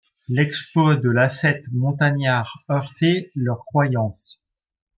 L'exploit de l'ascète montagnard heurtait leurs croyances.